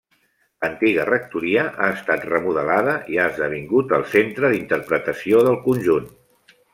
L'antiga rectoria ha estat remodelada i ha esdevingut el centre d'interpretació del conjunt.